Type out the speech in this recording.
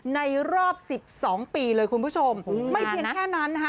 ในรอบ๑๒ปีเลยคุณผู้ชมไม่เพียงแค่นั้นนะฮะ